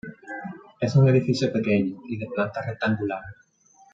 Es un edificio pequeño y de planta rectangular.